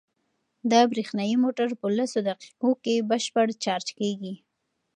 دا برېښنايي موټر په لسو دقیقو کې بشپړ چارج کیږي.